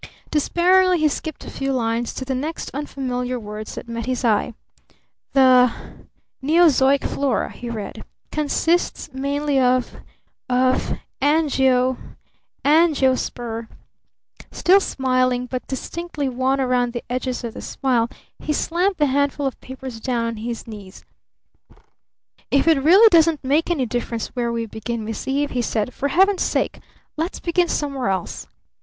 Despairingly he skipped a few lines to the next unfamiliar words that met his eye. "The Neozoic flora," he read, "consists mainly of of Angio Angiosper " Still smiling, but distinctly wan around the edges of the smile, he slammed the handful of papers down on his knee. "If it really doesn't make any difference where we begin, Miss Eve," he said, "for Heaven's sake let's begin somewhere else!"